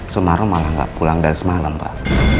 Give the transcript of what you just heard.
sumarno malah gak pulang dari semalam pak